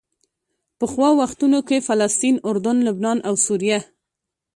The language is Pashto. پخوا وختونو کې فلسطین، اردن، لبنان او سوریه.